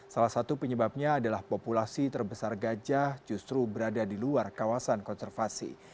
salah satu penyebabnya adalah populasi terbesar gajah justru berada di luar kawasan konservasi